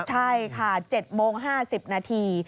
ใช่ค่ะ๗โมง๕๐นาที